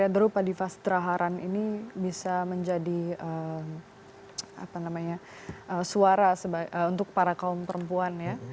drupadipas traharan ini bisa menjadi suara untuk para kaum perempuan ya